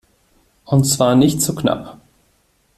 Und zwar nicht zu knapp!